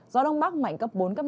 gió đông bắc mạnh cấp bốn cấp năm